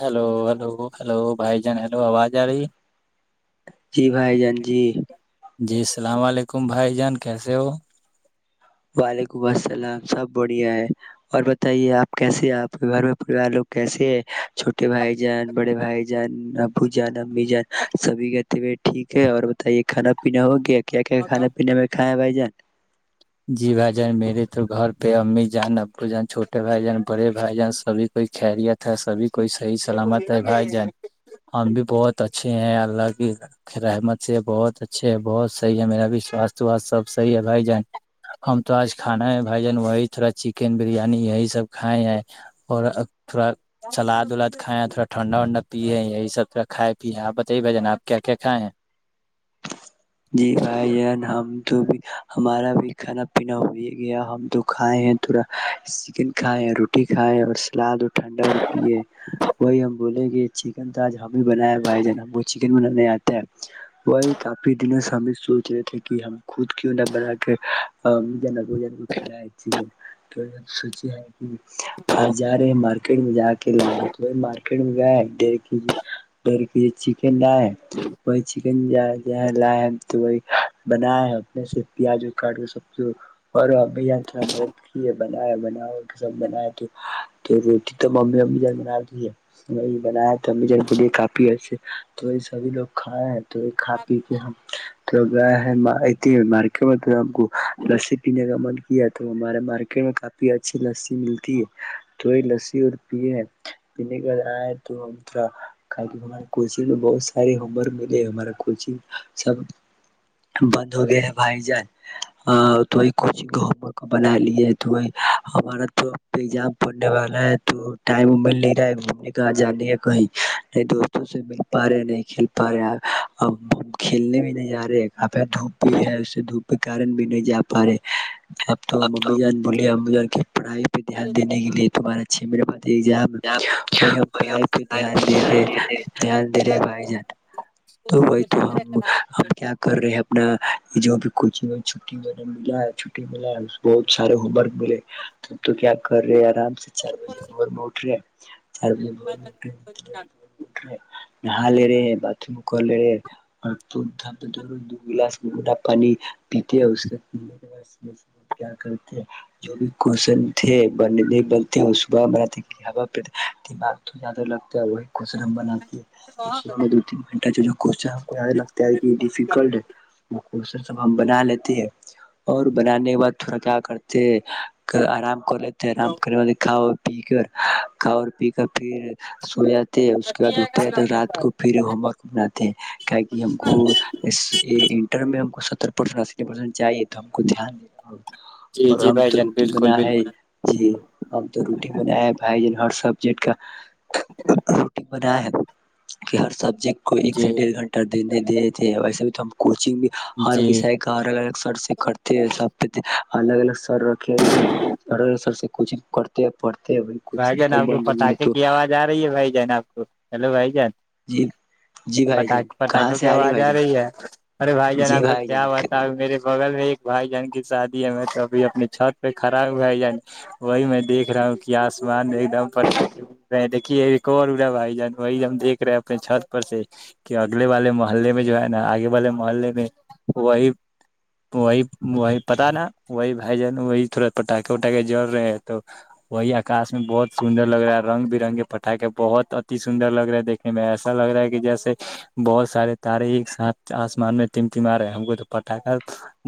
hello hello hello بھائی جان hello آواز آ رہی جی بھائی جان جی جی السلام علیکم بھائی جان کیسے ہو وعلیکم السلام سب بڑھیا ہے اور بتائیے آپ کیسے ہیں آپ گھر میں پریوار لوگ کیسے ہے چھوٹے بھائی جان بڑے بھائی جان ابو جان م جان سبھی کے [unintelligible] ٹھیک ہے اور بتائیے کھانا پینا ہوگیا کیا کیا کھانے پینے میں کھائے ہیں بھائی د [inaudible] جی بھائی جان میرے تو گھر بے امی جان ابو جان چھوٹے بھائی جان بڑے بھائی جان سبھی کوئی خریت ہے سبھی کوئی صحی سلامت ہے بھائی جان ہم بھی بہت اچھے ہیں اللہ کی رحمت سے بہت اچھے ہے بہت صحی ہے میرا بھی سواستھ واھ سب صحیح ہے بھائی جان ہم تو آج کھانا ہے بھائی جان وہی تھوڑا چکن بریانی یہی سب کھائے ہیں اور تھوڑا سلاد ولاد کھائے ہیں تھوڑا ٹھنڈا نڈا پیے یہی سب تھڑا کھائے پیے آپ بتائیے بھ جان آپ کیا کیا کھائے ہیں جی بھائی جان ہم تو بھی ہمارا بھی کھانا پینا ہو ہی گیا ہم تو کھائے ہیں تھورا چکن کھائے روٹی کھائے اور سلاد اور ٹھنڈا اور پیے وہی ہم بولے گ چکن تو آج ہمیں بنا ہے بھائی جان ہم وہ چکن بنانے آتا ہے وہی کافی اتنے مے ہم سوچ رہے تھے کہ ہم خود کیوں نہ بنا کے وہ جن کو کھائی چیکے [unintelligible] کی سوچی ہے [inaudible] آ جا رہے مارکیٹ میں جا رہ لا تو مارکیٹ م ہے دھ کے جی دھ کے جی چکن ہے وہ چکن ج ہے [inaudible] لائے تو وہی بنا اپنے سے پیاز کاٹ کر سب اور اب ب تھوڑا مدد کیے بنایا بناؤ سب بنائے تو تو روٹی تو ممی امی جان بناتی ہے وہی بنایا تو میں ج بڈی ک کاپی آے [unintelligible] تو یہ سبھی لوگ کھائے ہیں تو یہ کھ ہم تو گ ہے [inaudible] مارک بت [unintelligible] لسی پینے کا من کیا تو ہمارے مارکیٹ میں کافی اچھی لسی ملتی ہے تو یہ لسی اور پیے ہیں پینے کے ا آئے تو ہم ہمارے کوچنگ میں بہت سارے ہومورک ملے ہمارا کوچنگ [unintelligible] سب بند ہو گیا بھائی جان تو وہ کچگ ہو بنا لی تو وہ ہمارا تو پجام پڑنے والا ہے تو ٹائم مل نہیں رہا ہے گھومنے کااں جانے ہے کہیں نہیں دوستوں سے مل پا رہے نہیں کھیل پا رہے [inaudible] کھیلنے بھی نہیں جا رہے کاف دھوپ بھی ہے اس سے دھوپ کے کارن بھی نہیں جا پا رہے [inaudible] آپ تو ممی جان بولیے امی جان کے پڑھائی [inaudible] پہ دھیان دینے کے لیے تمہارے [unintelligible] اھ میرےاائی [unintelligible] ام وہ ہم پڑائی پہ دھی دے رہے دھیان دے رہے بائی جان تو وہ تو ہم [unintelligible] ہمب کیا کر رہے ہیں [unintelligible] نا جو بھی کوچگ چٹی و م چھٹی ملا بہت سارے ہوم ورک ملے تو کیا کر رہے آرام سے [unintelligible] چار بجے بور میں اٹھ رہے ہیں [unintelligible] اچھا [inaudible] چ [inaudible] نہا لے رہے باتھ رومک لے رہے [unintelligible] اور د د دو گلاس گا پانی پیتے اس کے پینے کے بعدت پیار کرتے جو بھی کوشن تھے بنے نہیں بنتے صبح بناتےا پ دماغ تو زیادہ لگتا ہے وہی کوشن ہم بناتے [unintelligible] میں دو تین گھنٹہ جو ج [unintelligible] کوچا [unintelligible] یادہ لگتا ہے کہ ڈیفیکلٹ [unintelligible] ر سب ہم بنا لیتے ہے اور بنانے کے بعد تھوڑا کیا کرتے آرام کر لیتے [unintelligible] آرام کر م دھاؤ [unintelligible] پی کر کا پی کر پھر سویا [unintelligible] تھے اس کے بعد اٹھتےئے تو رات کو پھر ہوم ورک بناتے [unintelligible] کہ ہم کو اس انٹر میں [unintelligible] کو ستر پرسٹی پرسٹ چاہے [unintelligible] ہم کو دھیان دینا ہ جی اور جی ہم بھائی تو جان روٹی بنا بالکل ہے بالکل جی ہم تو روٹی بنا ہے بھائی جن ہر سبجیکٹ کا رٹی [unintelligible] بنایا ہے کہ ہر سب [unintelligible] جی [unintelligible] ک کو ایک سے جی ڈڑھ گھنٹے د دی تھے ویسے تو ہم کوچ ہر جی وے کا الگ الگ سر سے کرتے ہیں سب الگ الگ سر رکھے ہوئے الگ الگ سر سے کوچنگ کرتےڑ بھائی جان آپ کو پتا کےے کی آواز آ رہی ہے بھائی جان آپ کو ہیلو بھائی جان جی جی پٹ بھائی جان کہاں پٹاخوں سے کی ہے آواز بھائی آ جان رہی ہے ارے بھائی جان جی آپ کو جان کیا بتا میرے بغل ہے ایک بھائی جان کی شادی ہے تو ابھی اپنی چھت پہ کڑا بھائی جان وہی میںیک رہا ہوں کہ آسمان میں ایک دم پٹخے اٹ رہے ہیں دیکھیے ایک اور ا رہا ہے بھائی جان وہی ج ہم دیکھ رہے ہیں اپنے چھت پر سے کہ اگلے والے محلے میں جو ہے نا آگے والے محلے میں وہی وہی وہی پتا نا وہی بھائی جان وہی تھوڑا پٹاخے وٹااکے جڑ رہے ہیں تو وہی آکاش میں بہت سندر لگ رہا ہے رنگ برنگ کے پٹاخے بہت اتی سندر لگ رہا ہے دیکنے میں ایسا لگ رہا ہے کہ جیسے بہت سارے تارے ایک ساتھ آسمان میں تم تمار رہے ہے ہم کو تو پٹاخہ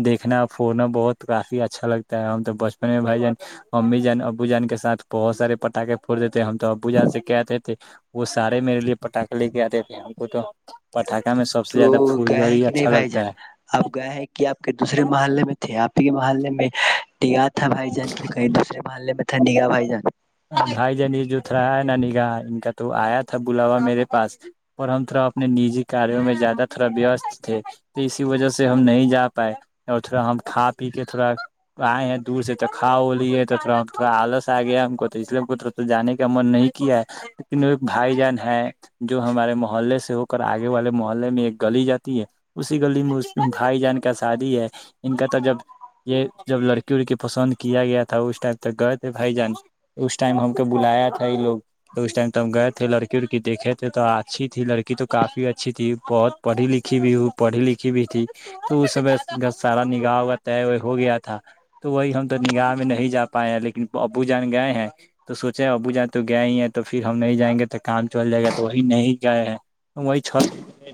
دھنا پھوڑنا بہت کافی اچھا لگتا ہے ہم تو بچپن میں بھائی جان امی جان ابو جان کے سھ بہت سارے پٹاخے پھڑ دیتے ہم تو ابو جا سے کیا آتے تھے وہ سارے میرے لیے پٹاخے لے کے آتے تھے ہم کو تو پٹخے تو گیا ہے کہ نہیں بھائی جان ہے آپ گئے ہیں کہ آپ کے دوسرے محلے میں تھے آپ ٹ بر ل میں یاد تھا بھائی جان کی کہئی دوسرے بھے میں ٹھنی کا پھائی جا بھائی جانی جو تھڑا ہے نا نگاہ ان کا تو آیا تھا بلاوا میرے پاس اور ہم تھوڑا اپنے نجی کاروں میں زیادہ تھوڑا وست تھے تو اسی وجہ سے ہم نہیں جا پائے اور تھوڑا ہم کھا پی کے تھوڑا آئے ہیں دور سے تو کھا وہ لی ہے تو تھوڑا ہم تھوڑا آلس آ گیا ہم کو تو اس لیے کور جانے کا من نہیں کیا ہے لیکن ایک بھائی جان ہے جو ہمارے محلے سے ہو کر آگے والے محلے میں ایک گلی جاتی ہے اسی گلی میں اس بھائی جان کا شادی ہے ان کا تو جب یہ جب لڑکی وڑکی پسند کیا گیا تھا اس ٹائپ تک گئے تھے بھائی جان اس ٹائم ہم کو بلایا تھا یہ لوگ تو اس ٹائم تو ہم گئے تھے لڑکی ڑکی دیکے تھے تو اچھی تھی لڑکی تو کافی اچھی تھی بہت پڑھی لکھی بھی ہو پڑھی لکھی بھی تھی تو اس س سارا نگاہ اگاہ طے ہوئے ہو گیا تھا تو وہی ہم تو نگاہ میں نہیں جا پائے ہیں لیکن ابو جان گئے ہیں تو سوچے ابو جان تو گیا ہی ہے تو پھر ہم نہیں جائیں گے تو کام چل جائے گا تو وہی نہیں گئے ہیں وہ چل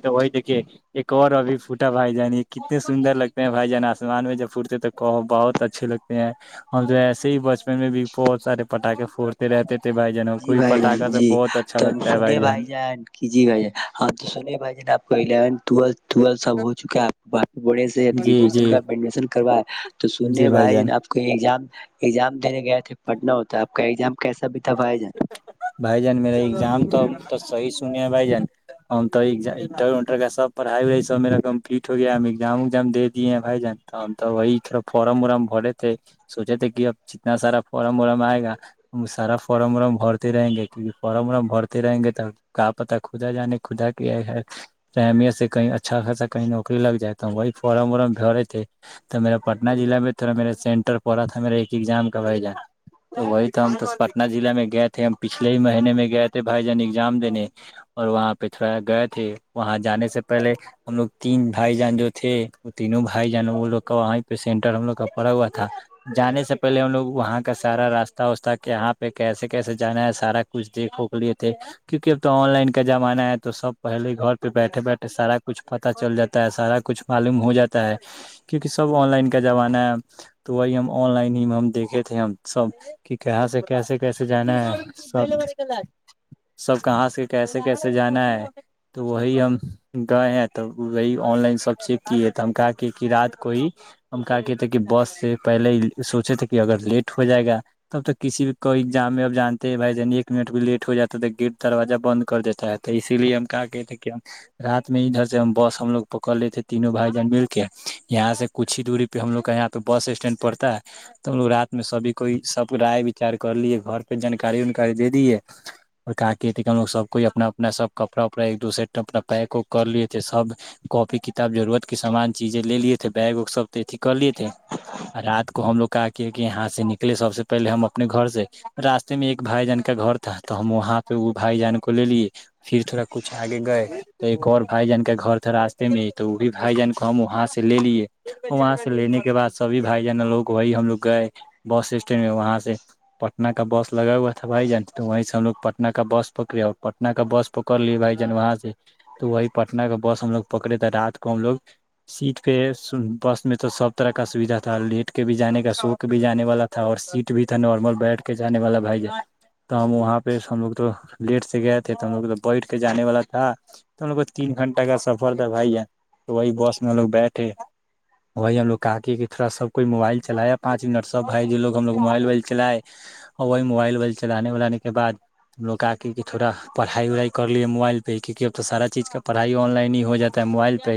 تو وہی دیکے ایک اور ابھی فھوٹا بھائی جان یہ کتنے سندر لگتے ہیں بھائی جان آ ان میں جب پٹتے تو کہو بہت اچھے لگتے ہیں ہم تو ایسے ہی بچپن میں بھی بہت سارے پٹااکے پھڑتے رہتے تھے بھائی جان ہم جی کوئی بھائی پٹاخہ جان سے جی بہت اچھا تو لگتا ہے سنے بھائی جان کی جی بھائی جان ہم تو سن بھائی ج آپ کوون ل ٹو سب ہو چکا آپڑ سے جی گریجویشن جی کاڈن کروا تو جی سننے بھائی جان ج آپ کو یہ ام ایام دینے گئے تھے پڑھنا ہوتا آپ کا ایگزام کیسا بھی تھاب جا بھائی جان میرا ایگزام تو صحیح سنے ہیں بھائی جان ہم تو انٹرٹر کا سب پڑھائی وائی سب میرا کمپلیٹ ہو گیا ہم ایگزام اگزام دے دیے ہیں بھائی جان ہم تو وہی تھوڑا فارم وارم بھرے تھے سوچے تھے کہ اب جتنا سارا فارم وارم آئے گا سارا فارم وورم بھرتے رہیں گے کیونکہ فارم وم بھرتے رہیں گے تو کہاپتہ خھدا جانے خھدا کے اہمیت سے کہیں اچھا خاصہ کہیں نوکری لگ جائے تو وہی فارم وورم بھرے تھے تو میرا پٹن ضلع میں تھوڑا میرا سینٹر پڑا تھا میرا ایک ایگزام کا جان تو وہی تو ہم پٹہ ضلع میں گئے تھے ہم پچھلے ہی مہینے میں گئے تھے بھائی جان ایگزام دینے اور وہاں پہ گئے تھے وہاں جانے سے پہلے ہم لوگ تین بھائی جان جو تھے وہ تینوں بھائی جان وہ لوگ کا وہیں پہ سینٹر ہم لوگ کا پڑا ہوا تھا جانے سے پہلے ہم لوگ وہاں کا سارا راستہ واسہ کےاں پہ کیسے کیسے جانا ہے سارا کچھ دیکھ کے لیے تھے کیوںکہ اب تو آن لائن کا زمانہ ہے تو سب پہلے گھر پہ بیٹھے بیٹھے سارا کچھ پتا چل جاتا ہے سارا کچھ معلوم ہو جاتا ہے کیوںکہ سب آن لائن کا زمانہا ہے تو وہی ہم آن لائن ہی ہم دیکھے تھے ہم سب کہ کہاں سے کیسے کیسے جانا ہے سب سب کہاں سے کیسے کیسے جانا ہے تو وہی ہم گئے ہیں توب وہی آن لائن سب چیک کیے تو ہم کہا کہ کہ رات کو ہی ہم کہا کہ تھے کہ بس سے پہلے ہی سوچے تھے کہ اگر لیٹ ہو جائے گا تب تو کسی بھی کوئی ایگزام میں اب جانتے ہیں بھائی جان ایک منٹ بھی لیٹ ہو جاتا ہے تو گیٹ دروازہ بند کر دیتا ہے تو اسی لیے ہم کہ کہ تھے کہ ہم رات میں ادھر سے ہم بس ہم لوگ پکڑ لیتےے تینوں بھائی جان مل کے یہاں سے کچھ ہی دوری پہ ہم لوگ کا یہاں پہ بس اسٹینڈ پڑتا ہے تو ہم لوگ رات میں سبھی کوئی سب رائے بھی چار کر لیے گھر پہ جانکاری وکاری دے دیے اور کا ہم لوگ س کوئی اپنا اپنا سب کپڑا اپڑا ایک دوسر اپنا پیک اک کر لیے تھے سب کاپی کتاب ضرورت کی سامان چیز لے لیے تھے بیگ اگ سب تھ کر لیے تھے رات کو ہم لوگ ا کہ یہاں سے نکلے س سے پہل ہم اپنے گھر سے راستے میں ایک بھائی جان کا گھر تھا تو ہم وہاں پہ وہ بھائی جان کو لے لیے پھر تھوڑا کچھ آگے گئے تو ایک اور بھائی جان کا گھر تھا راستے میں تو وہ بھی بھائی جان کو ہم وہاں سے لے لیے وہاں سے لینے کے بعد سبھی بھائی جان لوگ وہی ہم لوگ گئے بس اسٹینڈ میں وہاں سے پٹن کا بس لگا ہوا تھا بھائی جان تو وہیں سے ہم لوگ پٹن کا بس پکڑے اور پٹن کا بس پکڑ لیے بھائی جان وہاں سے تو وہیں پٹن کا بس ہم لوگ پکڑے تھ رات کو ہم لوگ سیٹ پہ بس میں تو سب طرح کا سویدھا تھا لیٹ کے بھی جانے کا شوق بھی جانے والا تھا اور سیٹ بھی نارمل بیٹھ کے جانے والا بھائی ج تو ہم وہاں پہ ہم لوگ تو لیٹ سے گئے تھے تو ہم لوگ تو بیٹھ کے جانے والا تھا تو ہم لوگ تین گھنٹہ کا سفر تھا بھائی ج تو وہی بس میں ہم لوگ بیٹھے وہی ہم لوگ کہ کے کہ تھوڑا سب کوئی موبائل چلایا پانچ منٹ سب بھائی ج لوگ ہم لوگ موبائل وائل چل وہ موبائلل چلےلانے کے بع ہم لوگاتے تھوڑا پڑھائی اڑائی کر لیے موبائل پہ کیونکہ اب سارا چیز پڑائی ان لائن ہی ہوتا ہے موائل پہ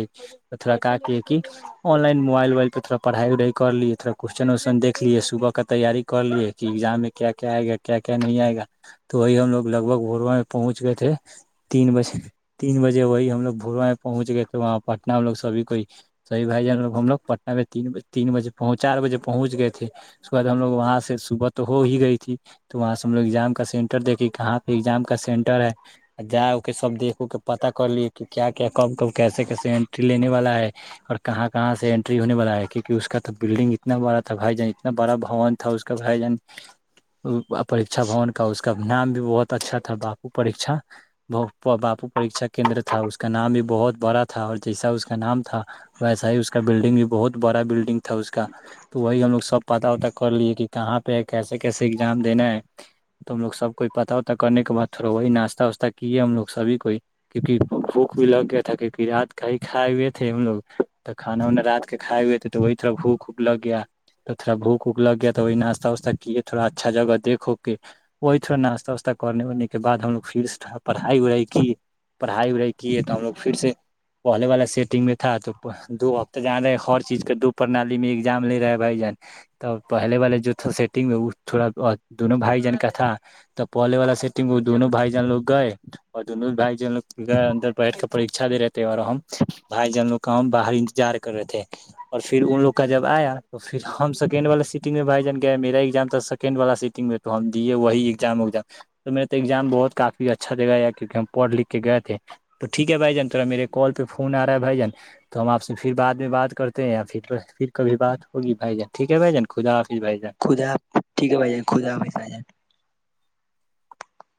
تھوڑا کیےنائن موبائل اوائل پہ تھوڑھائیڑائی کر لیے تھڑاشچنیےی کر لیے کہ ایگزام میں کیا کیا آئے گا کیا کیا نہیں آئے گا تو وہی ہم لوگ لگ بگ بھورواں میں پہنچ گئے تھے تین بجے تین بجے وہی ہم لوگ بھوروااں میں پہنچ گئے تھے وہاں پٹنہ ہم لوگ سبھی کوئی سبی بھائی جان لوگ ہم لوگ پٹن میں ت تین بجے چار بجے پہنچ گئے تھے اس کے بد ہم لوگ وہاں سے صبح تو ہو ہی گئی تھی تو وہاں سے ہم لوگ ایگزام کا سینٹر دیکھے کہاں پہ ایگزام کا سینٹر ہے جا اکے سب دیکھ ا کے پتہ کر لیے کہ کیا کیا کب کو کیسے کی سین لینے والا ہے اور کہاں کہاں سے انینٹری ہونے والا ہے کی کہ اس کا تو بلڈنگ اتنا بڑا تھا بھائی جان اتنا بڑا بھون تھا اس کا ج پرھا بھون کا اس کا نام بھی بہت اچھا تھا باپو پرھا باپو پرکچا کیندر تھا اس کا نام بھی بہت بڑا تھا اور جیسا اس کا نام تھا ویسا ہی اس کا بلڈنگ بھی بہت بڑا بلڈنگ تھا اس کا تو وہی ہم لوگ سب پتا وتا کر لیے کہ [unintelligible] تو وہی ناشتہاستہ کیے تھوڑا اچھا جگہ دھو کے وہی تھوڑا ناشتہ واشتہ کرنے انے کے بعد ہم لوگ پھر سے پڑھائی وڑائی کیے پڑھائی وڑھائی کیے تو ہم لوگ پھر سے پہلے والا سیٹنگ میں تھا تو دو ہفتے جان رہے ہر چیز کے دو پرنالی میں ایگزام لے رہے بھائی جان تب پہلے والا جو تھا سیٹنگ میں وہ تھوڑا دونوں بھائی جان کا تھا تو پہلے والا سٹنگ میں وہ دونوں بھائی جان لوگ گئے اور دونوں بھائی جان لوگ گئے اندر بیٹھ کے پرکچھا دے رہے تھے اور ہم بھائی جان لوگ کا ہم باہر انتظار کر رہے تھے اور پھر ان لوگ کا جب آیا تو پھر ہم سیکنڈ والا سیٹ سیٹنگ میں بھائی جان گیا میرا ایگزام تھا سیکنڈ والا سیٹنگ میں تو ہم دیے وہی ایگزام وگزام تو میرا تو ایگزام بہت کافی اچھا جگا یا کیونکہ ہم پڑھ لکھ کے گئے تھے تو ٹھیک ہے بھائی جان تھڑا میرے کال پہ فون آ رہا ہے بھائی جان تو ہمپ سے پھر بعد میں بات کرتے ہیں یا پھر پھر کبھی بات ہوگی بھائی جان ٹھیک ہے بھائی جان خدا حافظ بھائی جان خودا ٹھیک ہے بائی جے خودا بس